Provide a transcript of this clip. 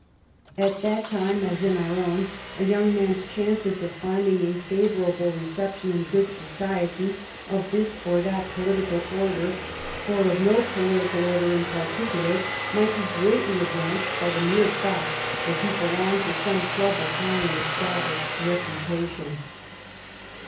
At that time, as in our own, a young man's chances of finding a favorable reception in good society of this or that political order, or of no political order in particular, might be greatly advanced by the mere fact that he belonged to some club of high and established reputation.